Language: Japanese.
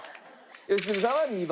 良純さんは２番。